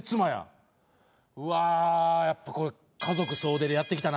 うわやっぱこれ。